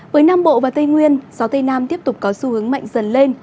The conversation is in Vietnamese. với nam bộ và tây nguyên gió tây nam tiếp tục có xu hướng mạnh dần lên